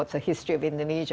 atau apa istilah indonesia